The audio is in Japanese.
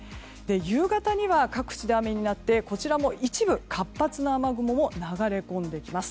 夕方には各地で雨になってこちらも一部、活発な雨雲が流れ込んできます。